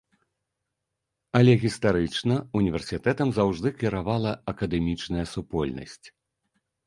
Але гістарычна, універсітэтам заўжды кіравала акадэмічная супольнасць.